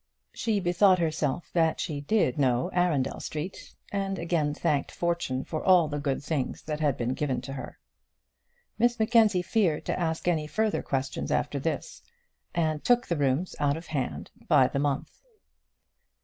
She bethought herself that she did know Arundel Street, and again thanked Fortune for all the good things that had been given to her. Miss Mackenzie feared to ask any further questions after this, and took the rooms out of hand by the month.